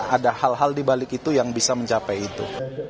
ada hal hal dibalik itu yang bisa mencapai itu